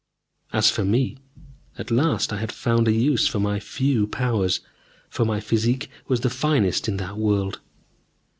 As for me, at last I had found a use for my few powers, for my physique was the finest in that world.